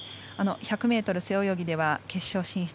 １００ｍ背泳ぎでは決勝進出。